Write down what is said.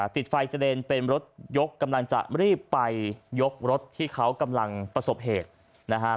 ติดไฟเซเดนเป็นรถยกกำลังจะรีบไปยกรถที่เขากำลังประสบเหตุนะฮะ